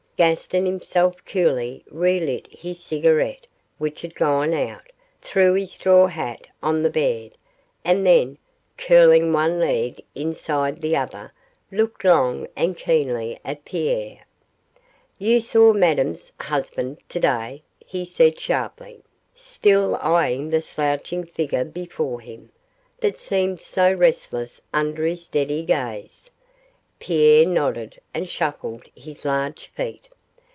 Gaston himself coolly relit his cigarette, which had gone out, threw his straw hat on the bed, and then, curling one leg inside the other, looked long and keenly at Pierre. 'You saw Madame's husband to day?' he said sharply, still eyeing the slouching figure before him, that seemed so restless under his steady gaze. Pierre nodded and shuffled his large feet.